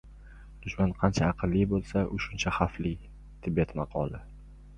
Dushman qancha aqlli bo‘lsa, u shuncha xavfli. Tibet maqoli